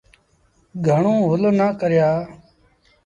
گھڻون هل نا ڪريآ۔